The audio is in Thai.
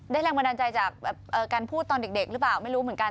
แรงบันดาลใจจากการพูดตอนเด็กหรือเปล่าไม่รู้เหมือนกัน